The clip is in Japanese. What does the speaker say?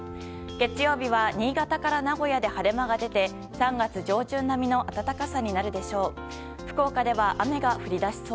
月曜日は新潟から名古屋で晴れ間が出て３月上旬並みの暖かさになるでしょう。